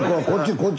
こっち！